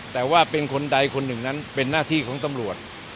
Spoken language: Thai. แต่ว่าเป็นคนใดคนหนึ่งนั้นเป็นหน้าที่ของตำรวจ